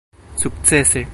sukcese